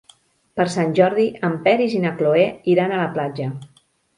Per Sant Jordi en Peris i na Cloè iran a la platja.